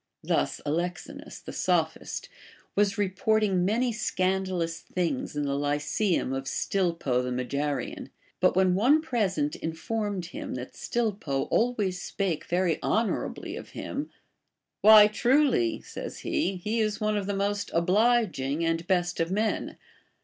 Thus Alexinus, the sophist, was reporting many scandalous things in the lyceum of Stilpo the Megarian ; but when one present informed him that Stilpo always spake very honorably of him, AVhy truly, * Tlmcyd. II. 64. BASHFULNESS. 77 says lie, he is one of the most obliging and best of men.